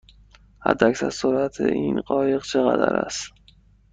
حداکثر سرعت این قایق چقدر است؟